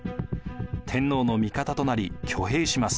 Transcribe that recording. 天皇の味方となり挙兵します。